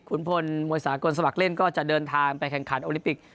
คุณพลมวยสากลสมัครเล่นก็จะเดินทางไปแข่งขันโอลิปิก